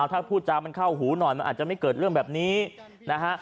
ถ้าพูดจามันเข้าหูหน่อยมันอาจจะไม่เกิดเรื่องแบบนี้นะฮะ